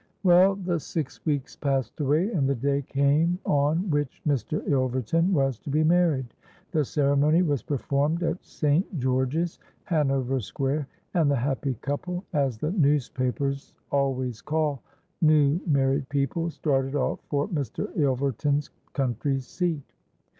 "Well, the six weeks passed away; and the day came on which Mr. Ilverton was to be married. The ceremony was performed at St. George's, Hanover Square; and the 'happy couple,' as the newspapers always call new married people, started off for Mr. Ilverton's country seat.